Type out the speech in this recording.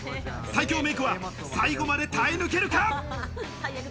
最強メイクは最後まで耐え抜けるか？